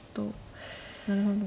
なるほど。